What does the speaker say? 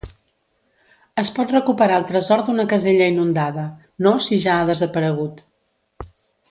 Es pot recuperar el tresor d'una casella inundada, no si ja ha desaparegut.